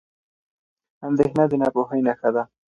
اندېښنه د ناپوهۍ نښه ده.